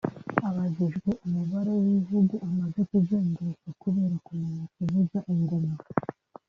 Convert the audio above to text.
Abajijwe umubare w’ibihugu amaze kuzenguruka kubera kumenya kuvuza ingoma